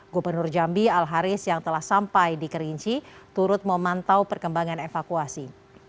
gubernur jambi al haris yang telah sampai di kerinci turut memantau perkembangan evakuasi